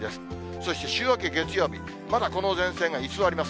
そして週明け月曜日、まだこの前線が居座ります。